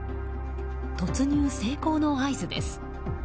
突入成功の合図です。